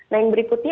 nah yang berikutnya